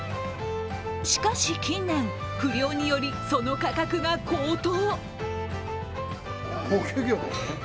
しかし近年、不漁により、その価格が高騰。